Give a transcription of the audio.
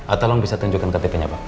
atau bisa tunjukkan ktp nya pak